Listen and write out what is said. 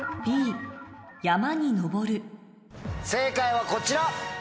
正解はこちら。